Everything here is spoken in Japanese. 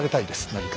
何か。